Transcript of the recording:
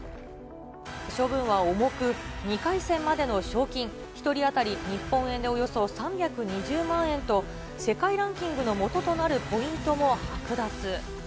処分は重く、２回戦までの賞金１人当たり日本円でおよそ３２０万円と、世界ランキングのもととなるポイントもはく奪。